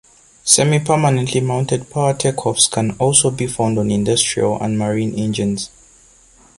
Semi-permanently mounted power take-offs can also be found on industrial and marine engines.